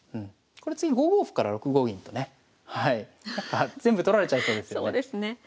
これ次５五歩から６五銀とね全部取られちゃう手ですよね。